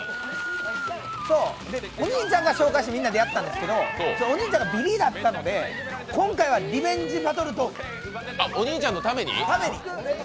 お兄ちゃんが紹介してみんなでやったんですけどお兄ちゃんがビリだったので今回はリベンジバトルドーム。お兄ちゃんのために。